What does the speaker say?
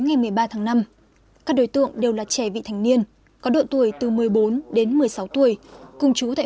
ngày một mươi ba tháng năm các đối tượng đều là trẻ vị thành niên có độ tuổi từ một mươi bốn đến một mươi sáu tuổi cùng chú tại